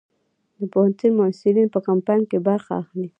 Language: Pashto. د پوهنتون محصلین په کمپاین کې برخه اخلي؟